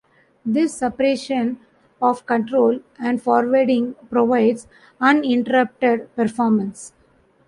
This separation of control and forwarding provides uninterrupted performance.